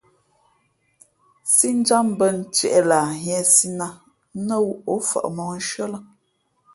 Sīnjǎm mbᾱ ntieʼ lah nhīēsī nát, nά wū ǒ fα̌ʼ mǒhnshʉ̄ᾱ lά.